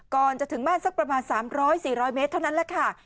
ก่อนจะถึงบ้านสักประมาณสามร้อยสี่ร้อยเมตรเท่านั้นแหละค่ะ